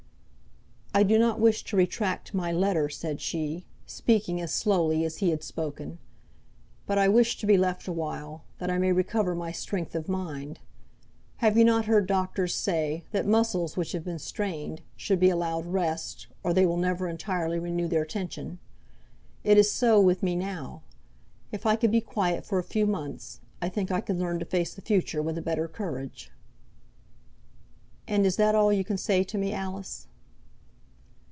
"I do not wish to retract my letter," said she, speaking as slowly as he had spoken; "but I wish to be left awhile, that I may recover my strength of mind. Have you not heard doctors say, that muscles which have been strained, should be allowed rest, or they will never entirely renew their tension? It is so with me now; if I could be quiet for a few months, I think I could learn to face the future with a better courage." "And is that all you can say to me, Alice?"